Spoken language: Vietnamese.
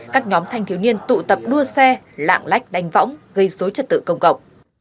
các nhóm thanh thiếu niên tụ tập đua xe lạng lách đánh võng gây dối trật tự công cộng